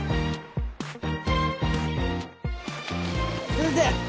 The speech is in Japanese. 先生！